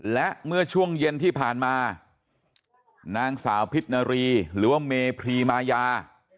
และเมื่อช่วงเย็นที่ผ่านมานางสาวพิษนารีหรือว่าเมพรีมายา